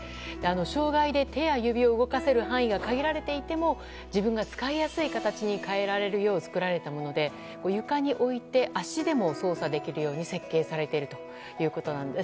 障害で手や指を動かせる範囲が限られていても自分が使いやすい形に変えられるよう作られたもので床に置いて足でも操作できるように設計されているということです。